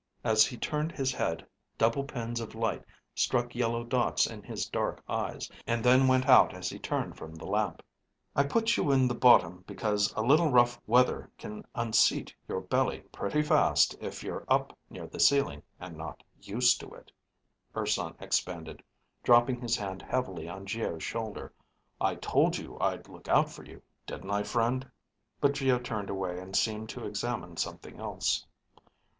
As he turned his head, double pins of light struck yellow dots in his dark eyes, and then went out as he turned from the lamp. "I put you in the bottom because a little rough weather can unseat your belly pretty fast if you're up near the ceiling and not used to it," Urson expanded, dropping his hand heavily on Geo's shoulder. "I told you I'd look out for you, didn't I, friend?" But Geo turned away and seemed to examine something else.